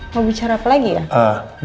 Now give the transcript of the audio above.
mau bicara apa lagi ya